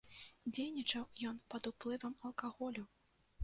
Дзейнічаў ён пад уплывам алкаголю.